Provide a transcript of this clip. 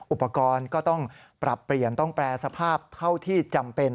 อุปกรณ์ก็ต้องปรับเปลี่ยนต้องแปรสภาพเท่าที่จำเป็น